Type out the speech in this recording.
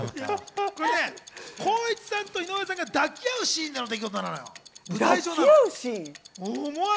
光一さんと井上さんが抱き合うシーンでの出来事なのよ。